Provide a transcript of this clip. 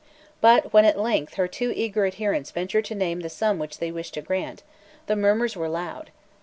But, when at length her too eager adherents ventured to name the sum which they wished to grant, the murmurs were loud.